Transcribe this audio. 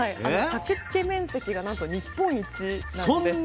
作付面積がなんと日本一なんです。